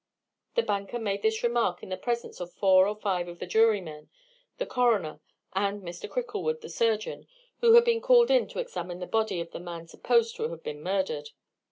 The banker made this remark in the presence of four or five of the jurymen, the coroner, and Mr. Cricklewood, the surgeon who had been called in to examine the body of the man supposed to have been murdered.